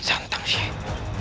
kian santang syed